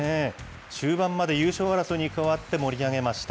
中盤まで優勝争いに加わって盛り上げました。